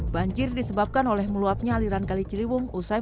banjir disebabkan oleh meluapnya aliran kali ciriwung